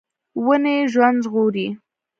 ونې ژوند ژغوري.